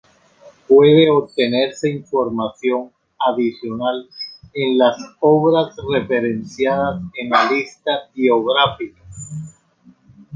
Puede obtenerse información adicional en las obras referenciadas en la lista bibliográfica.